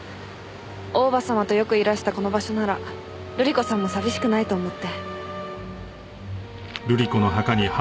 大叔母様とよくいらしたこの場所なら瑠璃子さんも寂しくないと思って。